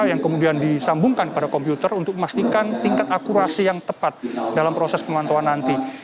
yang kemudian disambungkan pada komputer untuk memastikan tingkat akurasi yang tepat dalam proses pemantauan nanti